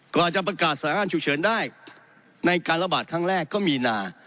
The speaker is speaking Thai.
กว่าจะประกาศสถานการณ์ฉุกเฉินได้ในการระบาดครั้งแรกก็มีนา